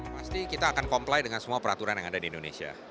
pasti kita akan comply dengan semua peraturan yang ada di indonesia